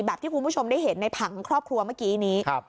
ที่คุณผู้ชมได้เห็นในผังของครอบครัวเมื่อกี้นี้